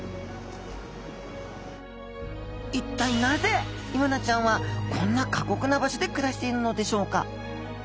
いったいなぜイワナちゃんはこんな過酷な場所で暮らしているのでしょうか？